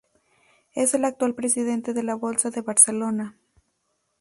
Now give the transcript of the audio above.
Es el actual presidente de la Bolsa de Barcelona.